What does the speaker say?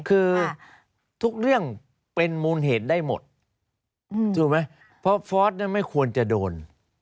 คือทุกเรื่องเป็นมูลเหตุได้หมดถูกไหมเพราะฟอร์สไม่ควรจะโดน